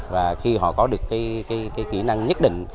và khi họ có được cái kỹ năng nhất định